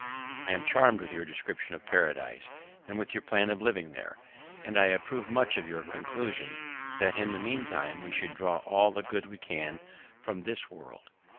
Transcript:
I am charmed with your description of Paradise, and with your plan of living there; and I approve much of your conclusion, that, in the meantime, we should draw all the good we can from this world.